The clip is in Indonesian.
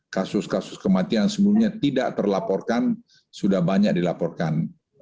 kasus kasus kematian sebelumnya tidak terlaporkan sudah banyak dilaporkan